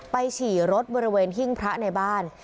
ฉี่รถบริเวณหิ้งพระในบ้าน